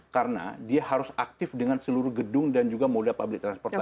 karena dia harus aktif dengan seluruh gedung dan juga moda public transportation